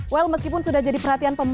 well meskipun sudah jadi perhatian pemerintah